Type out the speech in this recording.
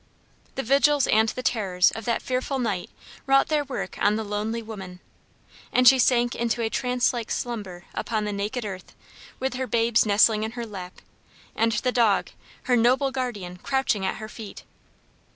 The vigils and the terrors of that fearful night wrought their work on the lonely woman, and she sank into a trance like slumber upon the naked earth, with her babes nestling in her lap and the dog, her noble guardian, crouching at her feet.